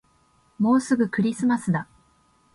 もうすぐクリスマスだ